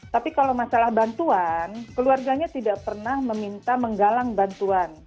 tapi kalau masalah bantuan keluarganya tidak pernah meminta menggalang bantuan